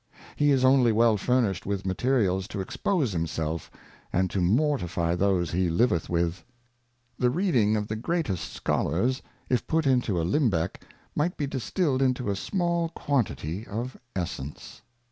He is only well furnished with Materials to expose himself, and to mortify those he liveth with. The reading of the greatest Scholars, if put into a Limbeck, might be distilled into a small quantity of Essence.